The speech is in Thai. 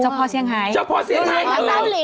เจ้าพ่อเสียงไทยเกิด